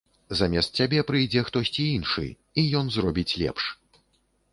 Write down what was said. Замест цябе прыйдзе хтосьці іншы, і ён зробіць лепш.